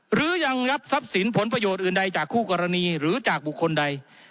หรือยังรับทรัพย์สินผลประโยชน์อื่นใดจากคู่กรณีหรือจากบุคคลใด